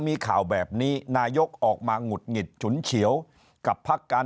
มีข่าวแบบนี้นายกออกมาหงุดหงิดฉุนเฉียวกับพักการ